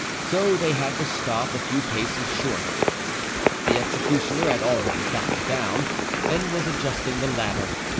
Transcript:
So they had to stop a few paces short. The executioner had already got down, and was adjusting the ladder.